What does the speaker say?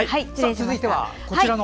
続いてはこちらの。